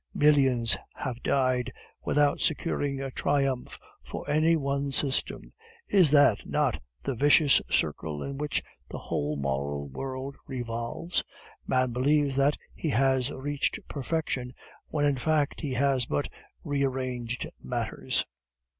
Millions have died without securing a triumph for any one system. Is not that the vicious circle in which the whole moral world revolves? Man believes that he has reached perfection, when in fact he has but rearranged matters."